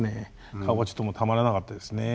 顔がちょっともうたまらなかったですね。